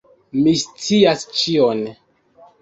Mi scias ĉion.